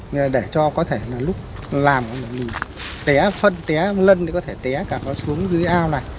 nên là để cho có thể là lúc làm mình té phân té lân để có thể té cả nó xuống dưới ao này